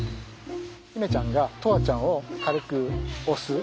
媛ちゃんが砥愛ちゃんを軽く押す。